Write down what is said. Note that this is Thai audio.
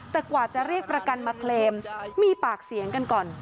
แต่กว่าจะเรียกประกันมาเคลมมีปากเสียงกันก่อน